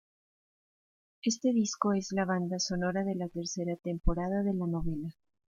Este disco es la banda sonora de la tercera temporada de la novela.